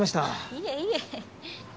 いえいえ。